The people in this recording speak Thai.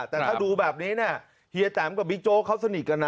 แต่ถ้าดูแบบนี้เนี่ยเฮียแตมกับบิ๊กโจ๊กเขาสนิทกันนะ